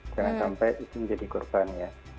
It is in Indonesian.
jangan sampai itu menjadi korban ya